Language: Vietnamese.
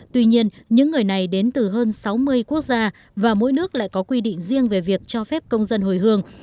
tuy nhiên những người này đến từ hơn sáu mươi quốc gia và mỗi nước lại có quy định riêng về việc cho phép công dân hồi hương